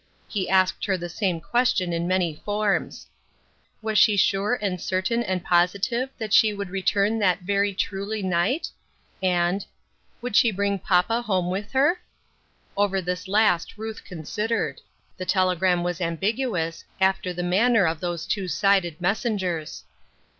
He asked her the same question in many forms :" Was she sure and certain and positive that she would return that very truly night ?" and " Would she bring papa home with her ?" Over this last Ruth considered. The telegram was ambiguous, after the manner of those two sided messengers.